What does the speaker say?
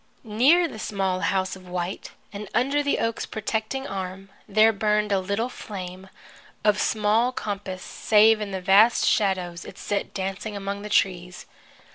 Near the small house of white, and under the oak's protecting arm, there burned a little flame, of small compass save in the vast shadows it set dancing among the trees.